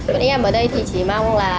bọn em ở đây thì chỉ mong là